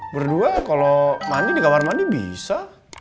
berdua kalau mandi di kamar mandi bisa